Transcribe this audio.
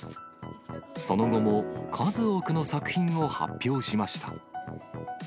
その後も数多くの作品を発表しました。